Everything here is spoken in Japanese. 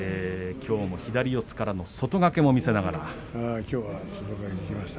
きょうも左四つからの外掛けも見せました。